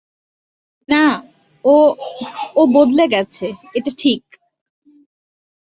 না, ও, ও বদলে গেছে, এটা ঠিক।